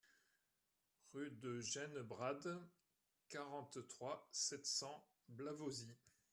Rue des Genebrades, quarante-trois, sept cents Blavozy